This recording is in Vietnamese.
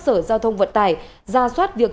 sở giao thông vận tải ra soát việc